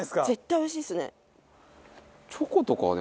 絶対おいしいですね。